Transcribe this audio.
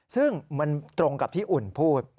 ซึ่งมันตรงกับที่อุ่นพูด